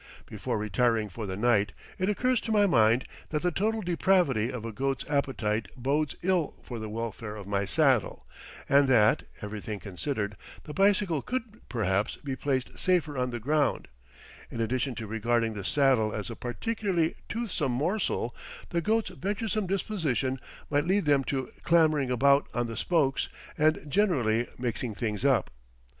Before retiring for the night, it occurs to my mind that the total depravity of a goat's appetite bodes ill for the welfare of my saddle, and that, everything considered, the bicycle could, perhaps, be placed safer on the ground; in addition to regarding the saddle as a particularly toothsome morsel, the goats' venturesome disposition might lead them to clambering about on the spokes, and generally mixing things up.